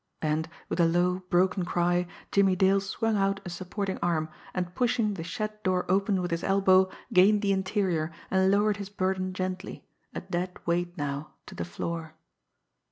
And, with a low, broken cry, Jimmie Dale swung out a supporting arm, and pushing the shed door open with his elbow, gained the interior, and lowered his burden gently, a dead weight now, to the floor.